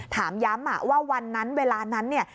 ถามย้ำว่าวันนั้นเวลานั้นเนี่ย